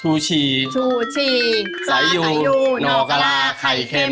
ชูชีชูชีสายูนอกราไข่เค็ม